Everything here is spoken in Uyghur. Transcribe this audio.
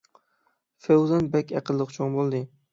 فەۋزان بەك ئەقىللىق چوڭ بولدى